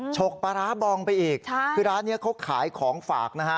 ชกปาราบองไปอีกใช่คือร้านเนี้ยเค้าขายของฝากค่ะ